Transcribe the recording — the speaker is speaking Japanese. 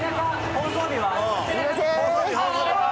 ・放送日は？